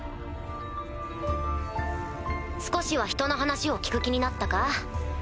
少しはひとの話を聞く気になったか？